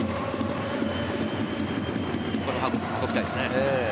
ここで運びたいですね。